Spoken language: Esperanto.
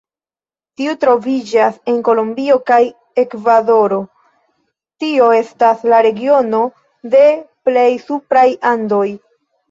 Tiu troviĝas en Kolombio kaj Ekvadoro, tio estas la regiono de plej supraj Andoj.